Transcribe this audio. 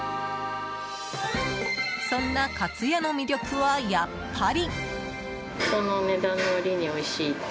そんなかつやの魅力はやっぱり。